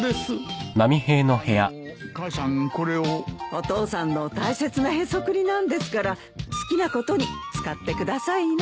お父さんの大切なへそくりなんですから好きなことに使ってくださいな。